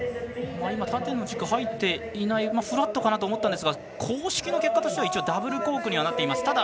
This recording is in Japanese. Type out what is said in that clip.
縦の軸が入っていないフラットかなと思ったんですが公式の結果としてはダブルコークとなっています。